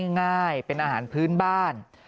ง่ายเป็นอาหารพื้นบ้าน